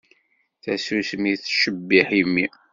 Tasusmi tettcebbiḥ imi.